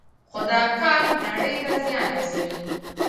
خو دا کار نړۍ ته زیان رسوي.